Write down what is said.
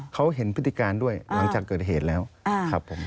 เขาเห็นพฤติการด้วยหลังจากเกิดเหตุแล้วครับผม